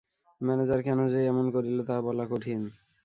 Manager কেন যে এমন করিল তাহা বলা কঠিন।